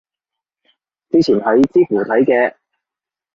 之前喺知乎睇嘅